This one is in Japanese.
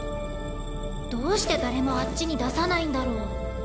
どうして誰もあっちに出さないんだろう。